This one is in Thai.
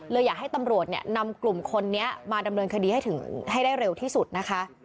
อยากให้ตำรวจเนี่ยนำกลุ่มคนนี้มาดำเนินคดีให้ได้เร็วที่สุดนะคะ